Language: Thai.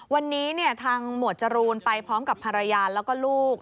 วันนี้ทางหมวดจรูนไปพร้อมกับภรรยาแล้วก็ลูก